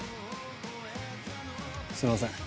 すみません